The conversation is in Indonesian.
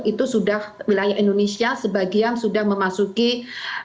itu sudah wilayah indonesia sebagian sudah memasuki musim hujan